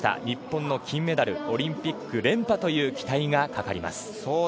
日本の金メダルオリンピック連覇という期待がかかります。